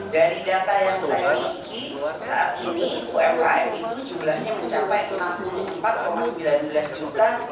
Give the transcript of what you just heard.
dari data yang saya miliki saat ini umkm itu jumlahnya mencapai enam puluh empat sembilan belas juta